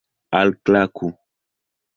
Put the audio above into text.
alklaku